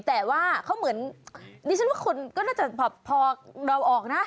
แต่ว่าเขาเหมือนตอนอย่างคุณก็พอเดาออกนะ